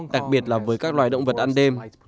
đặc biệt là với các loài động vật ăn đêm